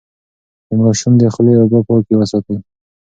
د ماشوم د خولې اوبه پاکې وساتئ.